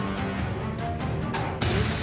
よし。